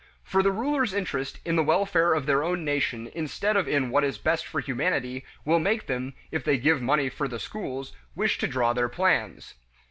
For the rulers' interest in the welfare of their own nation instead of in what is best for humanity, will make them, if they give money for the schools, wish to draw their plans.